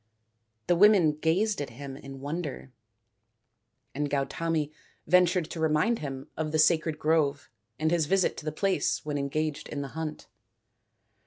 The women gazed at him in wonder, and Gautami ventured to remind him of the sacred grove and his visit to the place when engaged in the hunt.